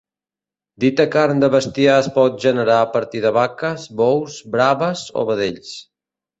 Dita carn de bestiar es pot generar a partir de vaques, bous, braves o vedells.